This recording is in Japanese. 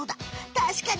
確かに！